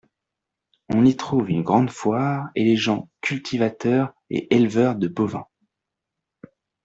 On y trouve une grande foire et les gens cultivateurs et éleveurs des bovins.